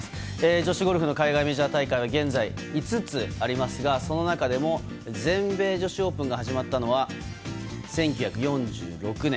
女子ゴルフの海外メジャー大会は現在、５つありますが全米女子オープンが始まったのは１９４６年。